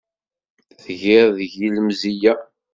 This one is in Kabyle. Tgiḍ deg-i lemzeyya.